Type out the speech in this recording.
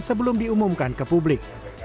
sebelum diumumkan ke publik